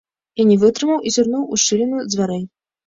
Я не вытрымаў і зірнуў у шчыліну дзвярэй.